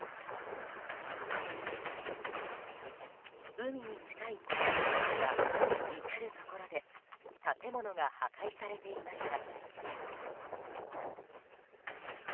海に近いこのエリアでは至るところで建物が破壊されていました。